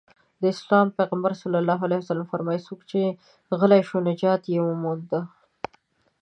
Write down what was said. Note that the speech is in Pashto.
د اسلام پيغمبر ص وفرمايل څوک چې غلی شو نجات يې ومونده.